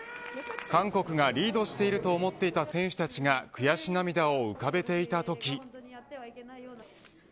韓国がリードしていると思っていた選手たちが悔し涙を浮かべていたとき。